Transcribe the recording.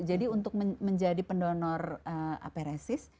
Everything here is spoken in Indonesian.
jadi untuk menjadi pendonor aparesis